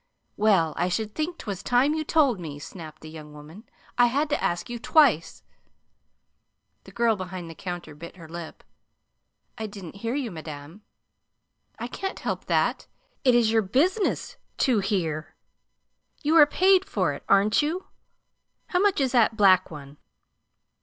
"Well, I should think 'twas time you told me," snapped the young woman. "I had to ask you twice." The girl behind the counter bit her lip. "I didn't hear you, madam." "I can't help that. It is your business TO hear. You are paid for it, aren't you? How much is that black one?"